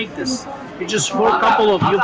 ini hanya untuk beberapa orang